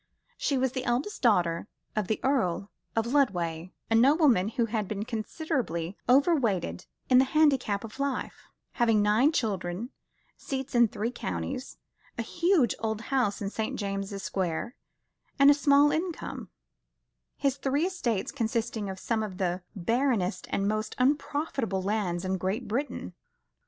She was the eldest daughter of the Earl of Lodway, a nobleman who had been considerably overweighted in the handicap of life, having nine children, seats in three counties, a huge old house in St. James's Square, and a small income his three estates consisting of some of the barrenest and most unprofitable land in Great Britain.